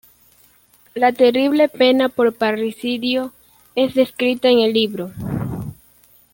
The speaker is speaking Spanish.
La terrible pena por parricidio es descrita en el libro.